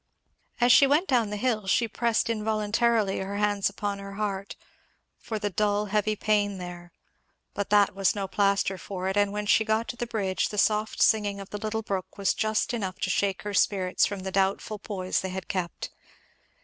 As she went down the hill she pressed involuntarily her hands upon her heart, for the dull heavy pain there. But that was no plaster for it; and when she got to the bridge the soft singing of the little brook was just enough to shake her spirits from the doubtful poise they had kept.